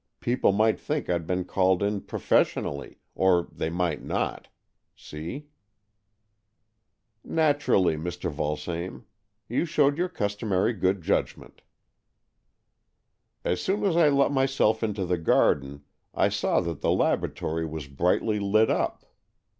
People might think I'd been called in professionally, or they might not. See ?" AN EXCHANGE OF SOULS 113 ''Naturally, Mr. Vulsame. You showed your customary good judgment." "As soon as I let myself into the garden, I saw that the laboratory was brightly lit up.